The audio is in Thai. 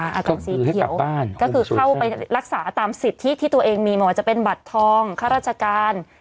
กล่องสีเขียวก็คือเข้าไปรักษาตามสิทธิที่ตัวเองมีไม่ว่าจะเป็นบัตรทองข้าราชการ